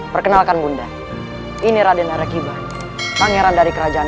perkenalkan bunda ini radenara kiba pangeran dari kerajaan